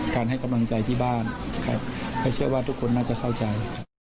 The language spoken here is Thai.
ให้กำลังใจที่บ้านครับก็เชื่อว่าทุกคนน่าจะเข้าใจ